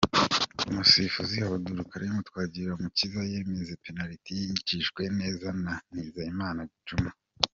Umusifuzi Abdul Karim Twagirumukiza yemeza penaliti yinjijwe neza na Nizeyimana Djuma.